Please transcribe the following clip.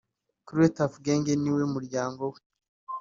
Kuri we Tuff Gangs niwo muryango we